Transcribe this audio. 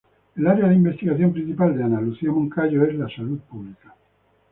El área de investigación principal de Ana Lucía Moncayo es la Salud Pública.